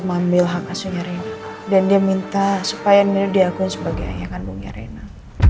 makasihnya rina dan dia minta supaya dia diakui sebagai ayah kandungnya rina